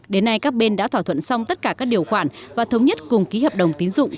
đến nay các bên đã thỏa thuận xong tất cả các điều khoản và thống nhất cùng ký hợp đồng tín dụng